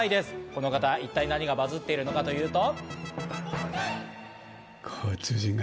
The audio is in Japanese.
この方、一体何がバズっているのかというと。